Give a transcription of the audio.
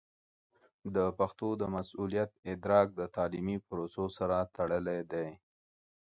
د پښتو د مسوولیت ادراک د تعلیمي پروسو سره تړلی دی.